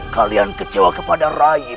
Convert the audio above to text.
kalian kecewa kepada rai